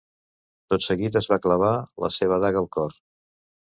Tot seguit, es va clavar la seva daga al cor.